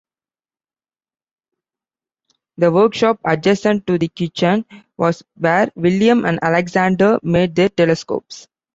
The workshop, adjacent to the kitchen, was where William and Alexander made their telescopes.